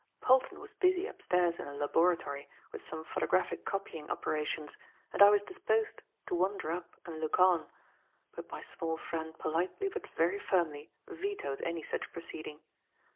Polton was busy upstairs in the laboratory with some photographic copying operations and I was disposed to wander up and look on; but my small friend politely but very firmly vetoed any such proceeding.